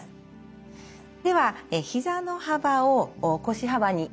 ではひざの幅を腰幅に。